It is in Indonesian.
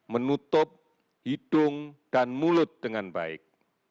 menutup hidung dan mulut dengan baik